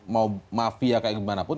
mau mafia kayak gimana pun